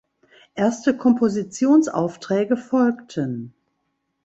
Erste Kompositionsaufträge folgten.